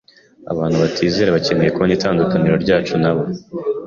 abantu batizera bakeneye kubona itandukaniro ryacu nabo,